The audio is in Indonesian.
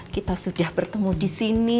kita sudah bertemu disini